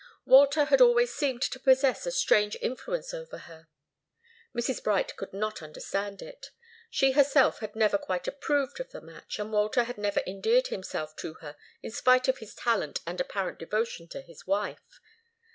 Walter had always seemed to possess a strange influence over her. Mrs. Bright could not understand it. She herself had never quite approved of the match, and Walter had never endeared himself to her, in spite of his talent and apparent devotion to his wife.